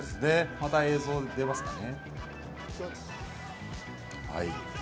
また映像が出ますかね。